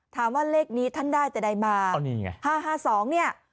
ถามว่าเลขนี้ท่านได้จะได้มาเอานี่ไงห้าห้าสองเนี่ย